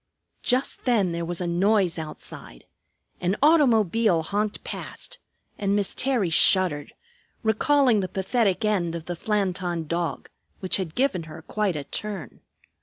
Just then there was a noise outside. An automobile honked past, and Miss Terry shuddered, recalling the pathetic end of the Flanton Dog, which had given her quite a turn.